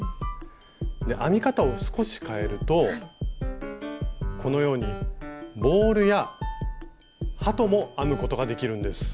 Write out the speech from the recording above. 編み方を少し変えるとこのようにボールや鳩も編むことができるんです。